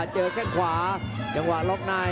เจอกล้ำขวาจังหวะล็อกไน